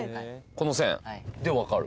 この線で分かる？